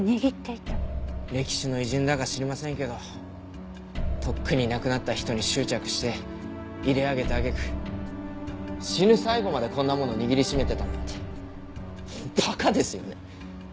歴史の偉人だか知りませんけどとっくにいなくなった人に執着して入れあげた揚げ句死ぬ最後までこんなものを握りしめてたなんて馬鹿ですよね。